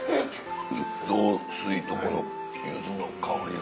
雑炊とこの柚子の香りが。